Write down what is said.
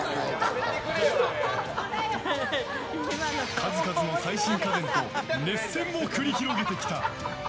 数々の最新家電と熱戦を繰り広げてきた。